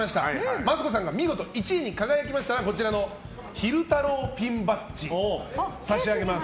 マツコさんが見事１位に輝きましたらこちらの昼太郎ピンバッジを差し上げます。